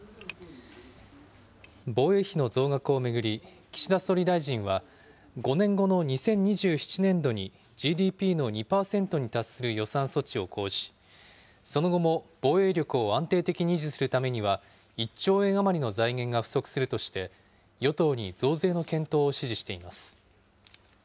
防衛費の増額を巡り、岸田総理大臣は、５年後の２０２７年度にＧＤＰの２％に達する予算措置を講じ、その後も防衛力を安定的に維持するためには１兆円余りの財源が不足するとして、与党に増税の検討を指示しています。